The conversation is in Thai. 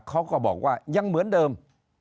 เขาก็บอกว่ายังเหมือนเดิม